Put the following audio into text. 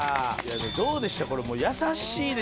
どうでした？